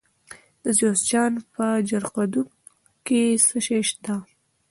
د جوزجان په جرقدوق کې څه شی شته؟